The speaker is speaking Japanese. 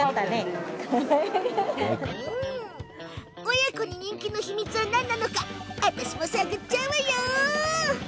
親子に人気の秘密は何なのか私が探るわよ！